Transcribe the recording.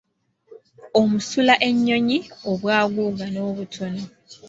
Omusula ennyonyi obw’aguuga n’obutono.